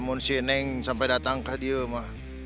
namun si neng sampai datang ke dia mah